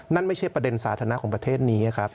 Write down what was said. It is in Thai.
นั่นไม่ใช่ประเด็นสาธารณะของประเทศนี้ครับ